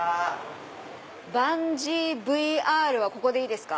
バンジーＶＲはここですか？